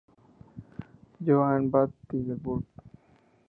Jo Anne Van Tilburg.